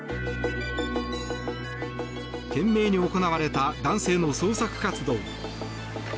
懸命に行われた男性の捜索活動。